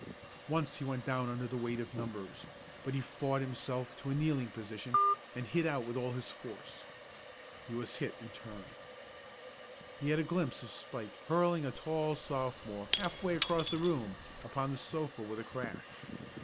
Once he went down under the weight of numbers, but he fought himself to a kneeling position and hit out with all his force. He was hit in turn. He had a glimpse of Spike hurling a tall Sophomore half way across the room, upon the sofa with a crash.